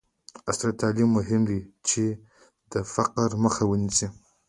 عصري تعلیم مهم دی ځکه چې د فقر مخه نیسي.